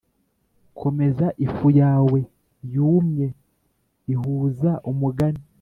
komeza ifu yawe yumye ihuza umugani